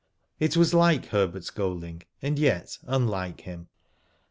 It was like Herbert Golding, and yet unlike him.